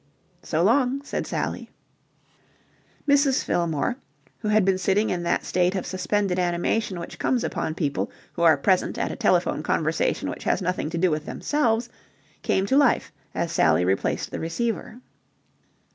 "So long," said Sally. Mrs. Fillmore, who had been sitting in that state of suspended animation which comes upon people who are present at a telephone conversation which has nothing to do with themselves, came to life as Sally replaced the receiver.